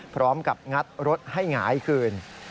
พร้อมกับงัดรถให้หงายคืน